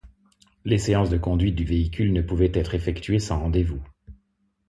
Les séances de conduite du véhicule ne pouvaient être effectuées sans rendez-vous.